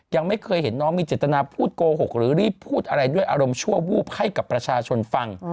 ยังไม่เคยเห็นน้องมีเจตนาพูดโกหกหรือรีบพูดอะไรด้วยอารมณ์ชั่ววูบให้กับประชาชนฟัง